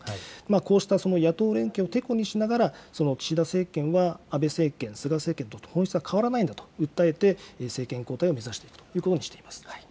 こうしたその野党連携をてこにしながら、岸田政権は安倍政権・菅政権と本質は変わらないんだと訴えて、政権交代を目指していくこととしています。